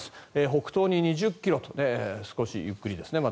北東に２０ｋｍとまだ少しゆっくりですね。